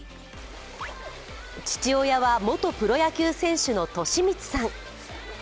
父親は元プロ野球選手の寿光さん。